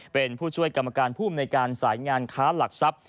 เป็นผู้ช่วยกรรมการผู้อำนวยการสายงานค้าหลักทรัพย์